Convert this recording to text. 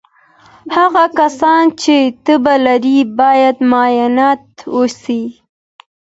هغه کسان چې تبه لري باید مایعات وڅښي.